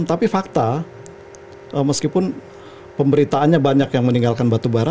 tapi fakta meskipun pemberitaannya banyak yang meninggalkan batubara